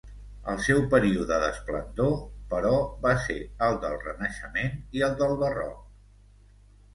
El seu període d'esplendor, però va ser el del Renaixement i el del Barroc.